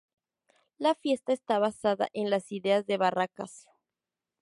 La fiesta está basada en la idea de barracas.